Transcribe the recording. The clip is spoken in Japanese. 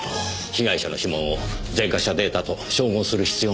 被害者の指紋を前科者データと照合する必要がありそうですね。